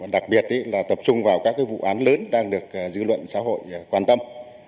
đặc biệt là tập trung vào các vụ án lớn đang được dư luận xã hội quan tâm